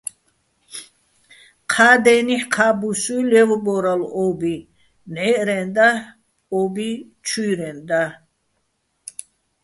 ჴა დენიჰ̦, ჴა ბუსუ́ჲ ლე́ვბორალო̆ ო́ბი ნჵაჲჸრენდაჰ̦, ო́ბი ჩუჲჰ̦რენდაჰ̦.